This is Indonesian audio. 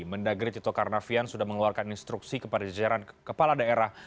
mendagri tito karnavian sudah mengeluarkan instruksi kepada jajaran kepala daerah